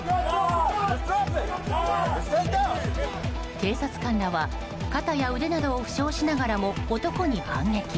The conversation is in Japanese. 警察官らは肩や腕などを負傷しながらも、男に反撃。